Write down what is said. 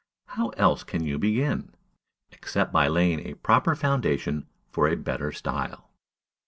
How else can you begin, except by laying a proper foundation for a better style?